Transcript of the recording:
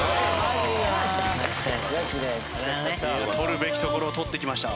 取るべきところを取ってきました。